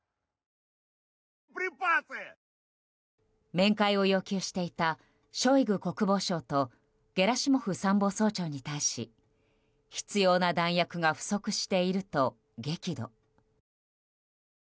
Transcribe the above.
面会を要求していたショイグ国防相とゲラシモフ参謀総長に対し必要な弾薬が不足していると激怒。